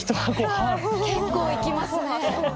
結構いきますね！